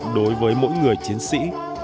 đối với mỗi người chiến sĩ